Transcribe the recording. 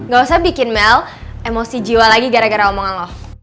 gak usah bikin mel emosi jiwa lagi gara gara omongan loh